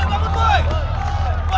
tidak ada apa apa